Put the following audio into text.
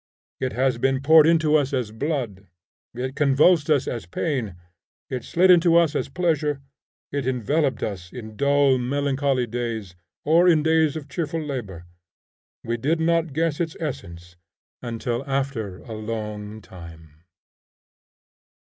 It has been poured into us as blood; it convulsed us as pain; it slid into us as pleasure; it enveloped us in dull, melancholy days, or in days of cheerful labor; we did not guess its essence until after a long time.